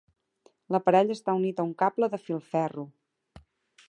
L'aparell està unit a un cable de filferro.